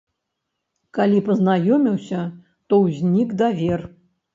Калі пазнаёміўся, то ўзнік давер.